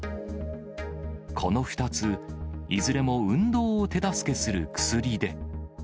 この２つ、いずれも運動を手助けする薬で。